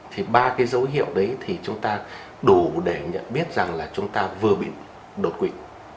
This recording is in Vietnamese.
thì ba cái dấu hiệu đấy thì chúng ta đủ để nhận biết rằng là chúng ta vừa bị đột quỵ